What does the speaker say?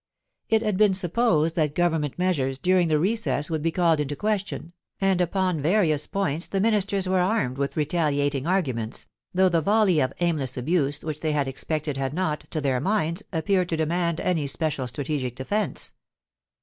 It had been supposed that Government measures during the recess would be called into question, and upon various points the Ministers were armed with retaliating arguments, though the volley of aimless abuse which they had expected had not, to their minds, appeared to demand any special strategic defence.